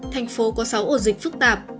thành phố có sáu ổ dịch phức tạp